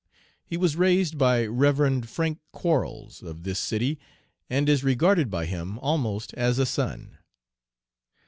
He was raised by Rev. Frank Quarles, of this city, and is regarded by him almost as a son.